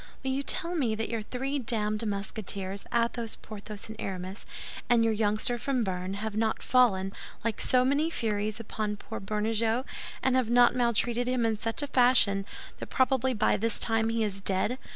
"Will you tell me that your three damned Musketeers, Athos, Porthos, and Aramis, and your youngster from Béarn, have not fallen, like so many furies, upon poor Bernajoux, and have not maltreated him in such a fashion that probably by this time he is dead?